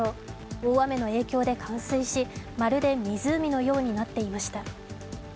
大雨の影響で冠水しまるで湖のようになっていました。